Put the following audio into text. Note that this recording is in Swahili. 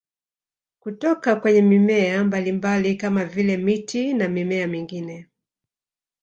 Kutoka kwenye mimea mbalimbali kama vile miti na mimea mingine